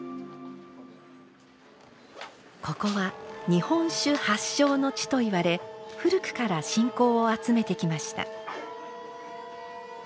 ここは日本酒発祥の地といわれ古くから信仰を集めてきました。